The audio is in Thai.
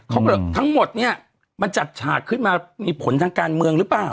เขาก็เลยทั้งหมดเนี่ยมันจัดฉากขึ้นมามีผลทางการเมืองหรือเปล่า